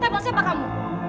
tepang siapa kamu